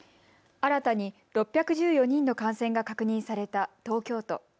新たに６１４人の感染が確認された東京都。